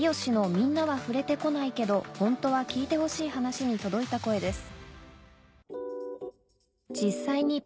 みんなは触れてこないけどホントは聞いてほしい話』に届いた声です